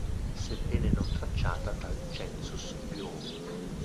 Sebbene non tracciata dal Census Bureau.